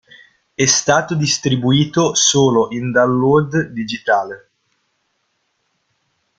È stato distribuito solo in download digitale.